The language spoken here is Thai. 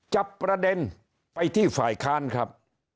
จับประเด็นไปที่ฝ่ายค้านครับ